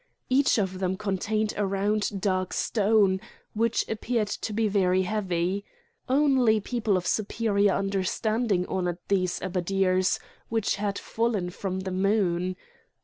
Each of them contained a round dark stone, which appeared to be very heavy. Only people of superior understanding honoured these abaddirs, which had fallen from the moon.